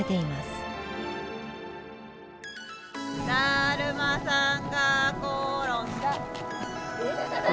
だるまさんがころんだ。